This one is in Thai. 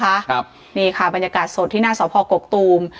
ครับนี่ค่ะบรรยากาศสดที่หน้าสพกกตูม